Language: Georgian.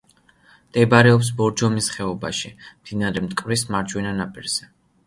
მდებარეობს ბორჯომის ხეობაში, მდინარე მტკვრის მარჯვენა ნაპირზე.